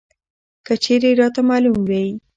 که چېرې راته معلوم وى!